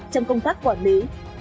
trong công tác quản lý